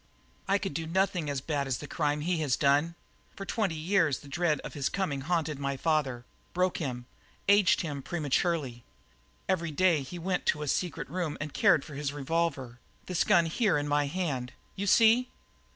"I could do nothing as bad as the crime he has done. For twenty years the dread of his coming haunted my father, broke him, aged him prematurely. Every day he went to a secret room and cared for his revolver this gun here in my hand, you see?